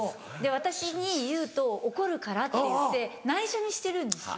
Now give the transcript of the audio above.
「私に言うと怒るから」っていって内緒にしてるんですよ。